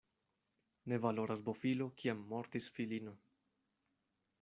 Ne valoras bofilo, kiam mortis filino.